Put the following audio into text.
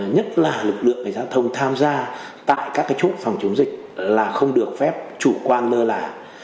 nhất là lực lượng cảnh sát giao thông tham gia tại các cái chỗ phòng chống dịch là không được phép chủ quan lơ là